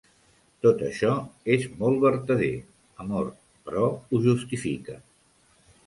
Tot això és molt vertader, amor, però ho justifica.